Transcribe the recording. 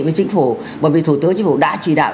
với chính phủ bởi vì thủ tướng chính phủ đã chỉ đạo